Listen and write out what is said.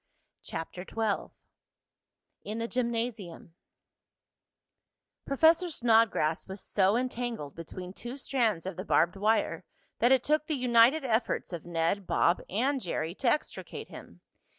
CHAPTER XII IN THE GYMNASIUM Professor Snodgrass was so entangled between two strands of the barbed wire that it took the united efforts of Ned, Bob and Jerry to extricate him.